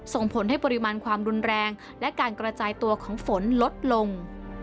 ส่งผลให้ปริมาณความรุนแรงและการกระจายตัวของฝนลดลง